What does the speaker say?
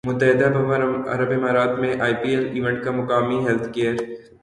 متحدہ عرب امارات میں آئی پی ایل ایونٹ کا مقامی ہیلتھ کیئر